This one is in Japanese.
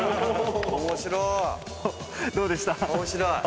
どうでした？